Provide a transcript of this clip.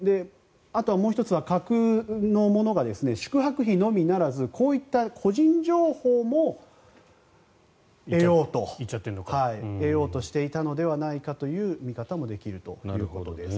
あとはもう１つは架空のものが宿泊費のみならずこういった個人情報も得ようとしていたのではないかという見方もできるということです。